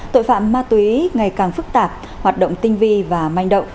tội phạm ma túy ngày càng phức tạp hoạt động tinh vi và manh động